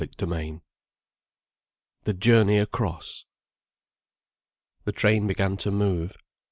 CHAPTER XIV THE JOURNEY ACROSS The train began to move.